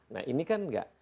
nah ini kan enggak